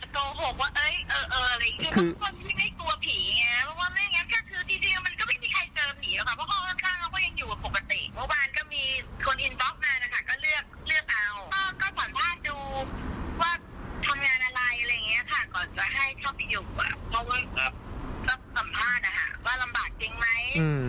แต่ให้เข้าไปอยู่เอ่อสัมภาษณ์นะคะว่าลำบากจริงมั้ย